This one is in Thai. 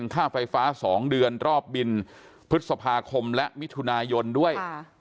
ค่าไฟฟ้า๒เดือนรอบบินพฤษภาคมและมิถุนายนด้วย